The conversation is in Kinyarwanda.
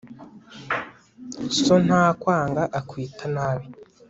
so ntakwanga, akwita nabi